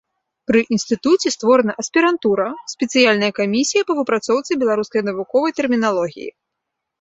Пры інстытуце створана аспірантура, спецыяльная камісія па выпрацоўцы беларускай навуковай тэрміналогіі.